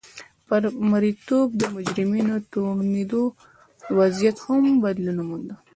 پر مریتوب د مجرمینو تورنېدو وضعیت هم بدلون وموند.